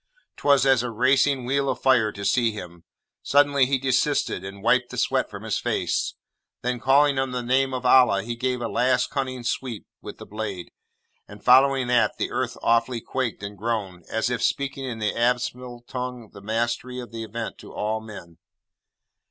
'Twas as a racing wheel of fire to see him! Suddenly he desisted, and wiped the sweat from his face. Then calling on the name of Allah, he gave a last keen cunning sweep with the blade, and following that, the earth awfully quaked and groaned, as if speaking in the abysmal tongue the Mastery of the Event to all men.